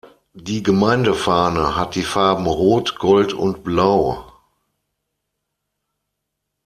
Die Gemeindefahne hat die Farben rot, gold und blau.